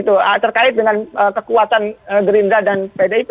terkait dengan kekuatan gerinda dan pdip